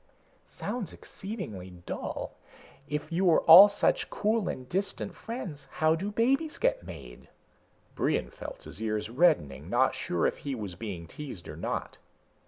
"Sounds exceedingly dull. If you are all such cool and distant friends, how do babies get made?" Brion felt his ears reddening, not sure if he was being teased or not.